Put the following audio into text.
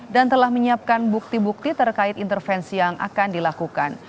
dan telah menyiapkan bukti bukti terkait intervensi yang akan dilakukan